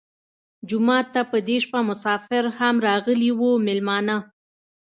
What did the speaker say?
جومات ته په دې شپه مسافر هم راغلي وو مېلمانه.